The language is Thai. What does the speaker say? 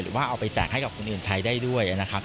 หรือว่าเอาไปแจกให้กับคนอื่นใช้ได้ด้วยนะครับ